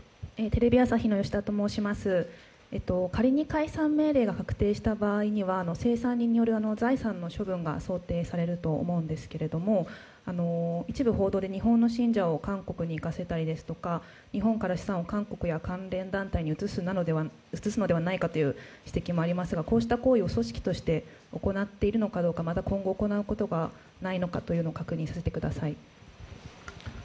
仮に解散命令が確定した場合には、清算人による財産の処分が想定されると思うんですけれども、一部報道で、日本の信者を韓国に行かせたりとかですとか、日本から韓国に関連団体に移すのではないかという指摘もありますが、こうした行為を組織として行っているのかどうか、また、今後、行うことがないのかということを確認させてください。